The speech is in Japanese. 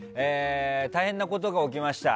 大変なことが起きました。